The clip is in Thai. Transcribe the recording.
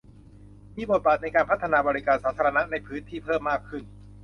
มีบทบาทในการพัฒนาบริการสาธารณะในพื้นที่เพิ่มมากขึ้น